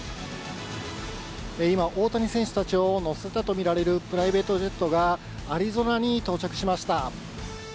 今、大谷選手たちを乗せたと見られるプライベートジェットがアリゾナに到着しました。